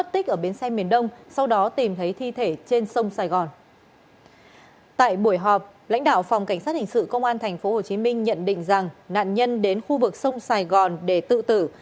tại buổi họp lãnh đạo phòng cảnh sát hình sự công an tp hcm nhận định rằng nạn nhân đến khu vực sông sài gòn để tự tử